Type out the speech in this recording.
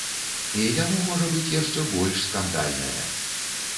І яно можа быць яшчэ больш скандальнае.